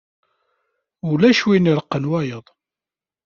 Ulac win iraqen wayeḍ.